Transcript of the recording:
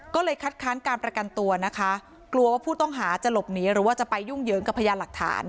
ก็เลยคัดค้านการประกันตัวนะคะกลัวว่าผู้ต้องหาจะหลบหนีหรือว่าจะไปยุ่งเหยิงกับพยานหลักฐาน